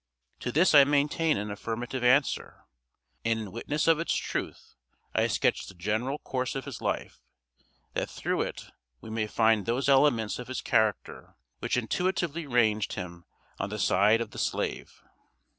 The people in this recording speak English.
To this I maintain an affirmative answer; and in witness of its truth, I sketch the general course of his life, that through it we may find those elements of his character which intuitively ranged him on the side of the slave.